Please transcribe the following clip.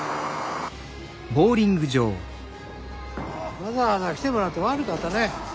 わざわざ来てもらって悪かったね。